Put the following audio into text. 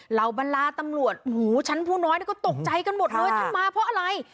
เหล่าบรรดาตำรวจหูชั้นผู้น้อยก็ตกใจกันหมดเลยท่านมาเพราะอะไร